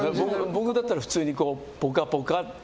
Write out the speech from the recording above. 僕だったら、普通に「ぽかぽか」って。